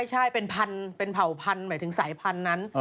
ใช่เป็นพันธุ์เหมือนสายพันธุ์นั้น